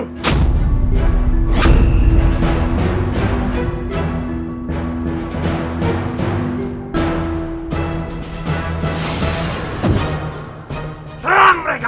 kau tidak bisa menangkap mereka sendiri